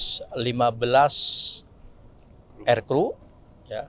perusahaan yang berhasil mengembangkan perusahaan ini